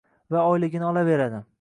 Va oyligini olaveradi.